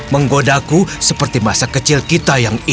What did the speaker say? menggodaku seperti masa kecil kita yang ideal